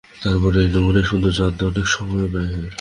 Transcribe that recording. তারপর এই নমুনায় সৌন্দর্য আনতে অনেক সময়ও ব্যয় হয়।